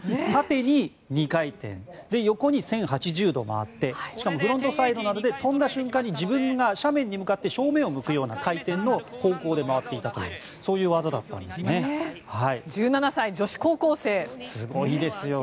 縦に２回転横に１０８０度回ってしかもフロントサイドなので跳んだ瞬間に自分が斜面に向かって正面を向くような回転の方向で回っていたという１７歳の女子高校生。